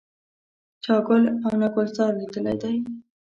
چا ګل او نه ګلزار لیدلی دی.